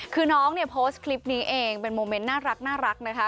คือน้องเนี่ยโพสต์คลิปนี้เองเป็นโมเมนต์น่ารักนะคะ